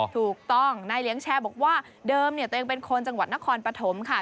ถูกต้องนายเลี้ยงแชร์บอกว่าเดิมตัวเองเป็นคนจังหวัดนครปฐมค่ะ